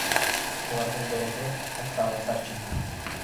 Уларҙың береһе — Оксана Савченко.